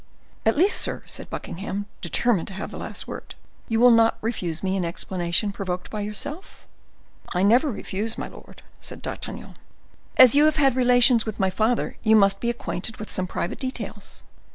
"At least, sir," said Buckingham, determined to have the last word, "you will not refuse me an explanation provoked by yourself." "I never refuse, my lord," said D'Artagnan. "As you have had relations with my father, you must be acquainted with some private details?"